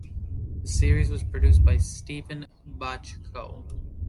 The series was produced by Steven Bochco.